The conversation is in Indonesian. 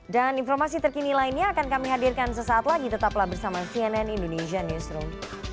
dan informasi terkini lainnya akan kami hadirkan sesaat lagi tetaplah bersama cnn indonesia newsroom